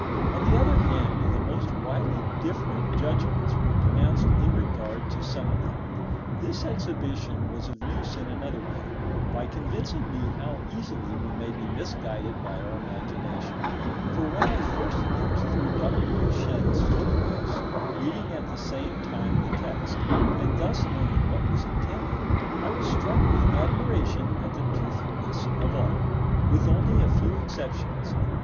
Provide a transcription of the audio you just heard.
On the other hand, the most widely different judgments were pronounced in regard to some of them. This exhibition was of use in another way, by convincing me how easily we may be misguided by our imagination; for when I first looked through Dr. Duchenne's photographs, reading at the same time the text, and thus learning what was intended, I was struck with admiration at the truthfulness of all, with only a few exceptions.